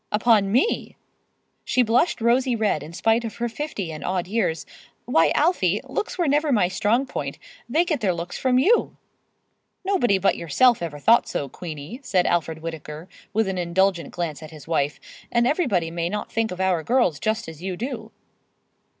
"Upon me?" She blushed rosy red in spite of her fifty and odd years. "Why, Alfie, looks were never my strong point. They get their looks from you." "Nobody but yourself ever thought so, Queenie," said Alfred Whittaker, with an indulgent glance at his wife; "and everybody may not think of our girls just as you do."